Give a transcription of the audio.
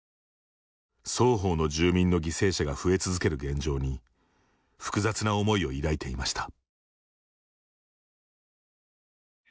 双方の住民の犠牲者が増え続ける現状に複雑な思いを抱いていました。